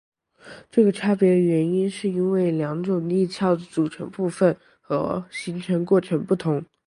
这个差别的原因是因为两种地壳的组成部分和形成过程不同。